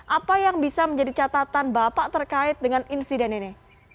apa yang bisa menjadi catatan bapak terkait dengan insiden ini